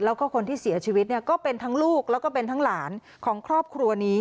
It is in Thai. แล้วก็คนที่เสียชีวิตเนี่ยก็เป็นทั้งลูกแล้วก็เป็นทั้งหลานของครอบครัวนี้